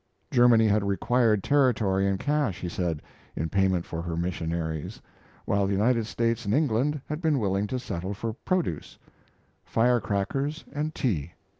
Germany had required territory and cash, he said, in payment for her missionaries, while the United States and England had been willing to settle for produce firecrackers and tea.